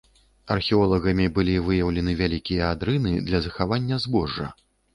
Археолагамі былі выяўлены вялікія адрыны для захавання збожжа.